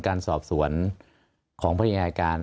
การสอบสวนของพยายามอายการ